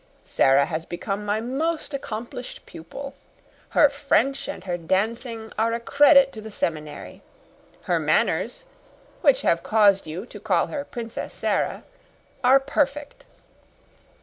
Sara has become my most accomplished pupil. Her French and her dancing are a credit to the seminary. Her manners which have caused you to call her Princess Sara are perfect.